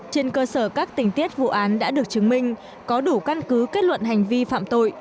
trên cơ sở các tình tiết vụ án đã được chứng minh có đủ căn cứ kết luận hành vi phạm tội